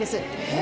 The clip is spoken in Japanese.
え？